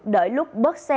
đợi lúc đoàn đoàn đoàn đoàn